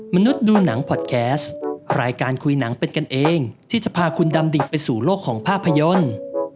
มนุษย์ดูหนังพอดแคสต์รายการคุยหนังเป็นกันเองที่จะพาคุณดำดิไปสู่โลกของภาพยนตร์